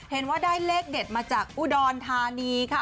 เห็นว่าได้เลขเด็ดมาจากอุดรธานีค่ะ